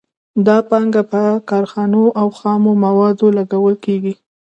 دا پانګه په کارخانو او خامو موادو لګول کېږي